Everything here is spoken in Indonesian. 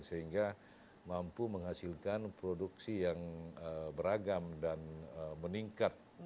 sehingga mampu menghasilkan produksi yang beragam dan meningkat